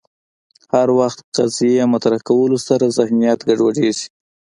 هر وخت قضیې مطرح کولو سره ذهنیت ګډوډېږي